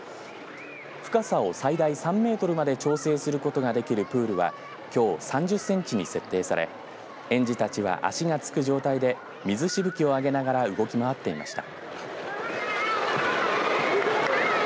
深さを最大３メートルまで調整することができるプールはきょう、３０センチに設定され、園児たちは足がつく状態で水しぶきを上げながら動き回っていました。